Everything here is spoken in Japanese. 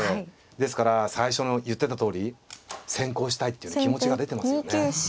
ですから最初の言ってたとおり先攻したいっていうの気持ちが出てますよね。